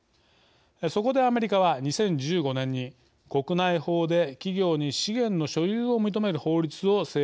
そこでアメリカは２０１５年に国内法で企業に資源の所有を認める法律を成立させました。